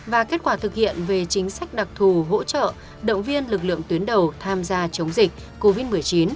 và kết quả thực hiện về chính sách đặc thù hỗ trợ động viên lực lượng tuyến đầu tham gia chống dịch covid một mươi chín